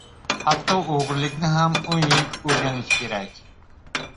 • Hatto o‘g‘rilikni ham o‘n yil o‘rganish kerak.